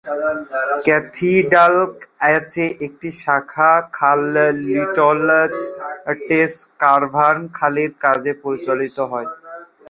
Cathedral আর্চে একটি শাখা খাল লিটল টেস ক্যাভার্ন খনির কাজে পরিচালিত হয়।